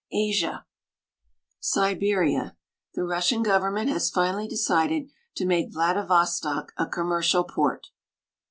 ASIA SiBKRiA. The Ku ssian government has finalh^ decided to make Vladi vostok a commercial port.